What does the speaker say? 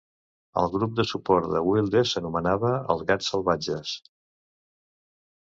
El grup de suport de Wilde s'anomenava els Gats salvatges.